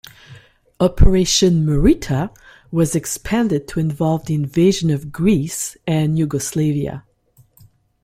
Operation "Marita" was expanded to involve the invasion of Greece and Yugoslavia.